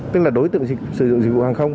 tức là đối tượng sử dụng dịch vụ hàng không